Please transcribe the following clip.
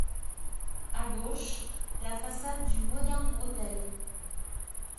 A gauche, la façade du Modern-Hôtel.